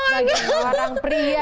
bagi seorang pria